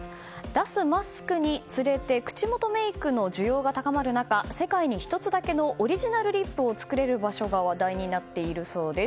脱マスクにつれて口元メイクの需要が高まる中世界に１つだけのオリジナルリップを作れる場所が話題になっているそうです。